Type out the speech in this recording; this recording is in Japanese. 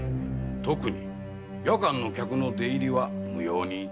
特に夜間の客の出入りは無用にな。